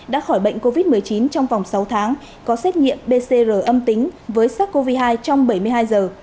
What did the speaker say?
đã khỏi bệnh covid một mươi chín trong vòng sáu tháng có xét nghiệm pcr âm tính với sars cov hai trong bảy mươi hai giờ